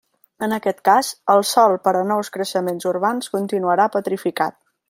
En aquest cas, el sòl per a nous creixements urbans continuarà petrificat.